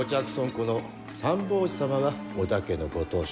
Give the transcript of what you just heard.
この三法師様が織田家のご当主。